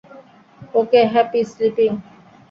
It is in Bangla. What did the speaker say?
Okay, happy sleeping!